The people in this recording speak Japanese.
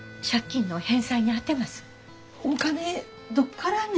お金どっからね？